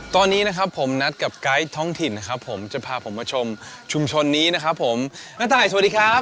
ตอนนี้นะครับผมนัดกับไกด์ท้องถิ่นนะครับผมจะพาผมมาชมชุมชนนี้นะครับผมณตายสวัสดีครับ